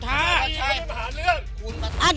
ทำไมไม่ออกท้องมึงแล้วฮะ